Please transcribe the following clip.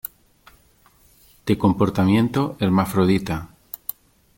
De comportamiento hermafrodita.